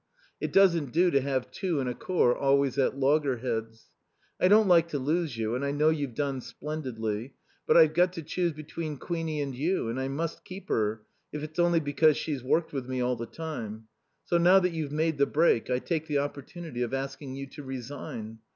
It doesn't do to have two in a Corps always at loggerheads. I don't like to lose you, and I know you've done splendidly. But I've got to choose between Queenie and you, and I must keep her, if it's only because she's worked with me all the time. So now that you've made the break I take the opportunity of asking you to resign.